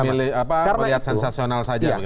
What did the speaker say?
yang melihat sensasional saja